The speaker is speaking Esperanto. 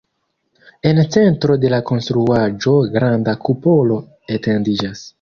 En centro de la konstruaĵo granda kupolo etendiĝas.